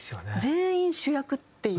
全員主役っていう。